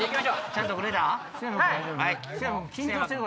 ちゃんと切れた？